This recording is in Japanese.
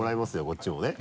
こっちもね。